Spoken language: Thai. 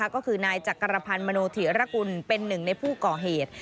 ก็คือนายจักรพันธ์มโนธิรกุลเป็นหนึ่งในผู้ก่อเหตุ